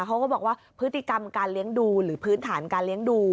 เขาก็บอกว่าพฤติกรรมการเลี้ยงดูหรือพื้นฐานการเลี้ยงดู